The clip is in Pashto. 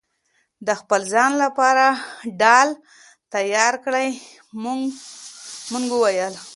د خپل ځان لپاره ډال تيار کړئ!! مونږ وويل: